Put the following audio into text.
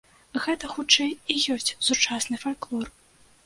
Гэта, хутчэй, і ёсць сучасны фальклор.